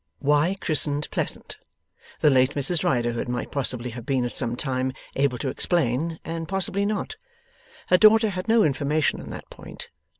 Why christened Pleasant, the late Mrs Riderhood might possibly have been at some time able to explain, and possibly not. Her daughter had no information on that point.